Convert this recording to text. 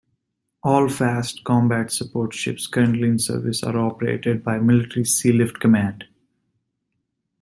All fast combat support ships currently in service are operated by Military Sealift Command.